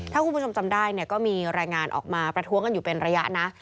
ถ้าคุณผู้ชมจำได้เนี่ยก็มีรายงานออกมาประท้วงกันอยู่เป็นระยะนะ